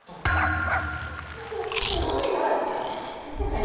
なないない。